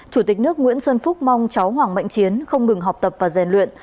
chủ tịch nước nguyễn xuân phúc mong cháu hoàng mạnh chiến không ngừng học tập và rèn luyện